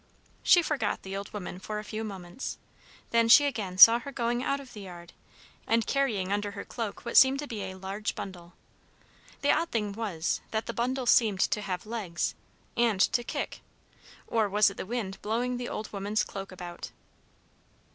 She forgot the old woman for a few moments, then she again saw her going out of the yard, and carrying under her cloak what seemed to be a large bundle. The odd thing was, that the bundle seemed to have legs, and to kick; or was it the wind blowing the old woman's cloak about?